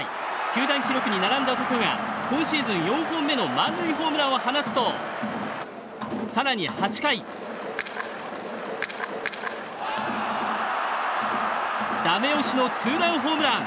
球団記録に並んだ男が今シーズン４本目の満塁ホームランを放つと更に８回、ダメ押しのツーランホームラン。